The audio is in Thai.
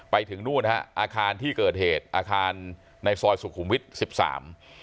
ไปถึงนู่นฮะอาคารที่เกิดเหตุอาคารในซอยสุขุมวิทย์สิบสาม